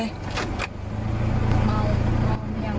เธอถอยหลัง